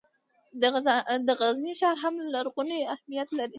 د غزني ښار هم لرغونی اهمیت لري.